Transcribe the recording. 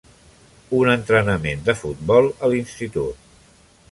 Un entrenament de futbol a l'institut.